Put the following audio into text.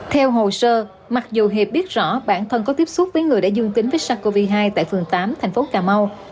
theo hồ sơ mặc dù hiệp biết rõ bản thân có tiếp xúc với người đã dương tính với sars cov hai tại phường tám thành phố cà mau